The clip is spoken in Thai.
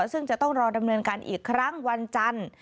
ซึ่งจะต้องรอดำเนินการอีกครั้งวันจันทร์